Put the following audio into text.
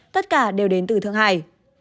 tất cả đều đến từ thượng hải